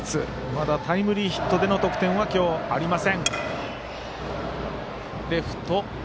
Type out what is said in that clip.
まだタイムリーヒットでの得点は今日ありません。